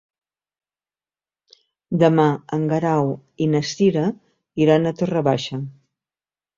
Demà en Guerau i na Cira iran a Torre Baixa.